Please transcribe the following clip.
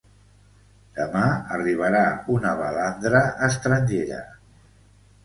Demà arribarà una balandra estrangera.